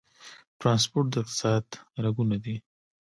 ټرانسپورټ د اقتصاد رګونه دي